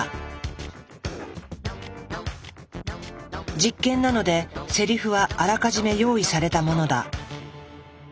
実験なのでセリフはあらかじめ用意されたものだ。